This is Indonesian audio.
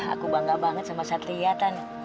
aku bangga banget sama satria kan